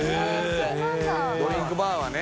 ドリンクバーはね。